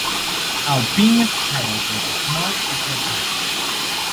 Alpine skier Greta Small is her cousin.